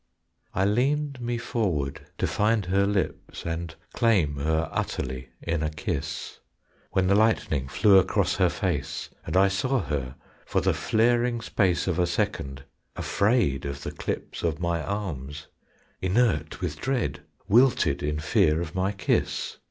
I leaned me forward to find her lips, And claim her utterly in a kiss, When the lightning flew across her face, And I saw her for the flaring space Of a second, afraid of the clips Of my arms, inert with dread, wilted in fear of my kiss.